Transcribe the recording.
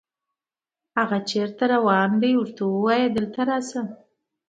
هاغه چېرته روان ده، ورته ووایه دلته راشي